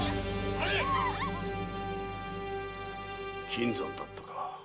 金山だったか。